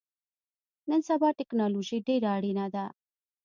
نن سبا ټکنالوژی ډیره اړینه ده